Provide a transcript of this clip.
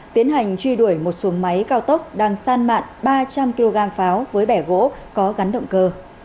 tiến hành truy đuổi một xuồng máy cao tốc đang san mạn ba trăm linh kg pháo với bẻ gỗ có gắn động cơ